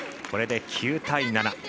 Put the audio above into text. これで９対７。